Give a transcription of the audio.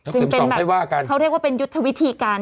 เข็มสองให้ว่ากันจึงเป็นแบบเขาเรียกว่าเป็นยุทธวิธีการ